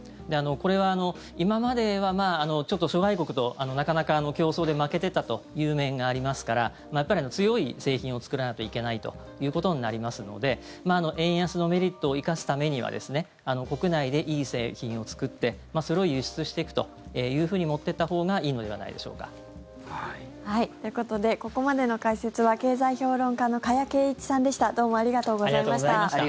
これは、今までは諸外国となかなか、競争で負けていたという面がありますから強い製品を作らないといけないということになりますので円安のメリットを生かすためには国内でいい製品を作ってそれを輸出していくというふうに持っていったほうがいいのではないでしょうか。ということでここまでの解説は経済評論家の加谷珪一さんでしたどうもありがとうございました。